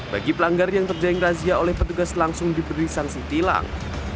bagi pelanggar yang terjang razia oleh petugas langsung diberi sanksi tilang